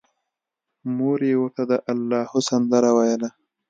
مور یې ورته د اللاهو سندره ویله